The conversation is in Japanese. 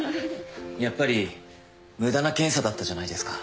やっぱり無駄な検査だったじゃないですか